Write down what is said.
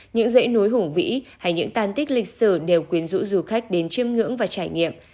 những dãy núi hủng vĩ hay những tan tích lịch sử đều quyến rũ du khách đến chiếm ngưỡng và trải nghiệm